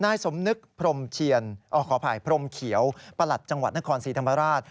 นายสมนึกพรมเฉียวประหลัดจังหวัดนครสีธรรมราช